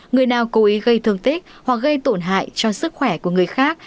người nào cố ý gây thương tích hoặc gây tổn hại cho sức khỏe của người khác